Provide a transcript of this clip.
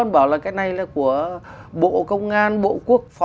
nó giả danh